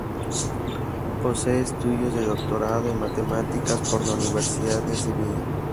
Posee estudios de Doctorado en Matemáticas por la Universidad de Sevilla.